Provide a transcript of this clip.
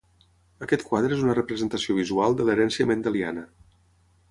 Aquest quadre és una representació visual de l’herència mendeliana.